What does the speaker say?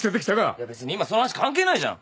いや別に今その話関係ないじゃん。